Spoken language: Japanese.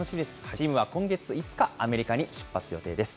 チームは今月５日、アメリカに出発予定です。